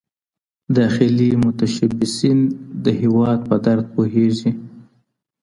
داخلي متشبثین د هیواد په درد پوهیږي.